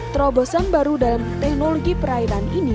terobosan baru dalam teknologi perairan ini